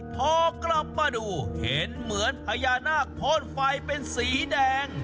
พอกลับมาดูเห็นเหมือนพญานาคพ่นไฟเป็นสีแดง